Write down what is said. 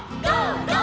「ゴー！